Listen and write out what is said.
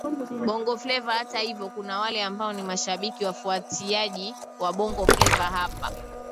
Bongo Fleva Hata hivyo kuna wale ambao ni mashabiki wafuatiaji wa Bongo fleva hapa